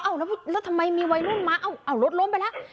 แล้วทำไมมีวัยรุ่นมาเอารถล้มไปแล้ว